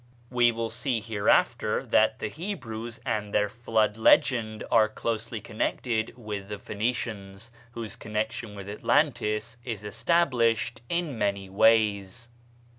We will see hereafter that the Hebrews and their Flood legend are closely connected with the Phoenicians, whose connection with Atlantis is established in many ways.